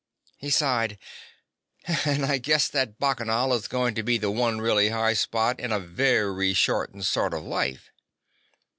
He sighed. "And I guess that Bacchanal is going to be the one really high spot in a very shortened sort of life."